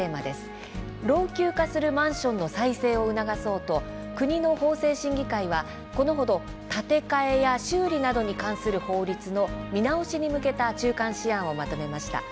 老朽化するマンションの再生を促そうと国の法制審議会は、このほど建て替えや修理などに関する法律の見直しに向けた中間試案をまとめました。